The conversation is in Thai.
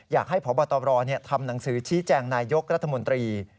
อยากให้พบทำหนังสือชี้แจงนายกรัฐมนตรี